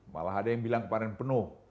malah ada yang bilang kemarin penuh